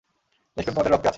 দেশপ্রেম তোমাদের রক্তে আছে।